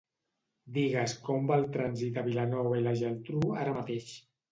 Digues com va el trànsit a Vilanova i la Geltrú ara mateix.